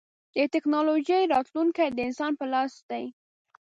د ټکنالوجۍ راتلونکی د انسان په لاس دی.